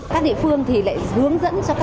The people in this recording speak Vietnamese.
các địa phương lại hướng dẫn cho các sinh viên